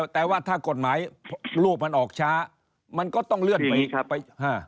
แต่ว่าถ้ากฎหมายรูปมันออกช้ามันก็ต้องเลื่อนไป